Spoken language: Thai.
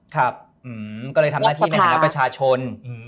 ครับก็เลยทำหน้าที่ในฐานะประชาชน